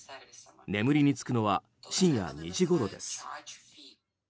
眠りに就くのは深夜２時ごろです。